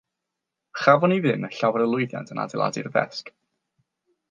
Chafon ni ddim llawer o lwyddiant yn adeiladu'r ddesg.